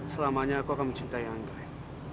selamanya aku akan mencintai anggrek